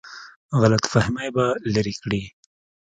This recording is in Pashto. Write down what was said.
غلط فهمۍ به لرې کړي.